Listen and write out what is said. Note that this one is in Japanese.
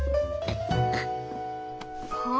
はあ？